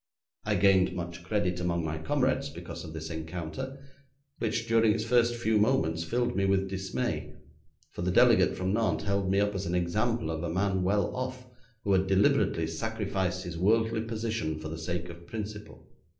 I gained much credit among my comrades because of this encounter, which, during its first few moments, filled me with dismay, for the delegate from Nantes held me up as an example of a man well off, who had deliberately sacrificed his worldly position for the sake of principle.